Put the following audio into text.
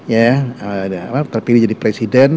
ya terpilih jadi presiden